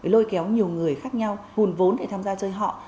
lôi kéo nhiều người khác nhau hùn vốn để tham gia chơi họ